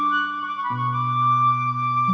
neng mah kayak gini